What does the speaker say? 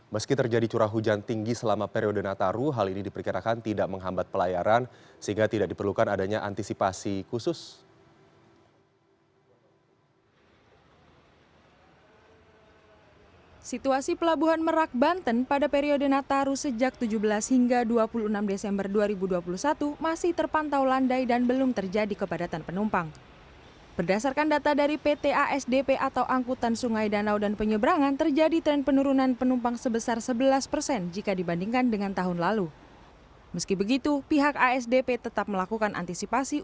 meski terjadi curah hujan tinggi selama periode nataru hal ini diperkirakan tidak menghambat pelayaran sehingga tidak diperlukan adanya antisipasi khusus